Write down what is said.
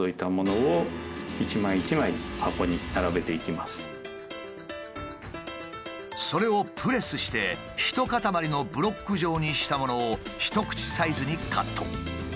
まずそれをプレスして一塊のブロック状にしたものを一口サイズにカット。